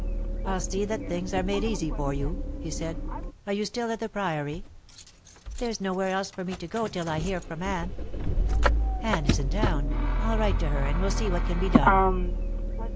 "I'll see that things are made easy for you," he said. "Are you still at the Priory?" "There's nowhere else for me to go till I hear from Anne." "Anne is in town. I'll write to her, and we'll see what can be done."